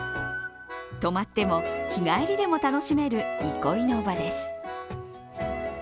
泊まっても日帰りでも楽しめる憩いの場です。